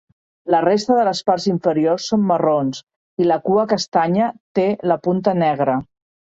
La resta de les parts inferiors són marrons i la cua castanya té la punta negra.